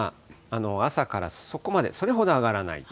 朝からそこまで、それほど上がらない。